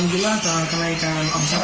jumlah terkena ikan omsap